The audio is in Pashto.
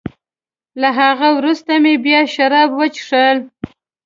له هغه وروسته مې بیا شراب وڅېښل.